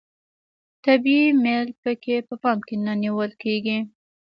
طبیعي میل پکې په پام کې نه نیول کیږي.